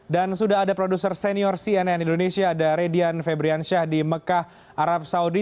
dan sudah ada produser senior cnn indonesia ada redian febriansyah di mekah arab saudi